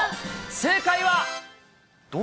正解は。